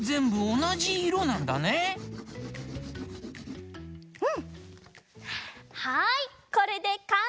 はいこれでかんせい！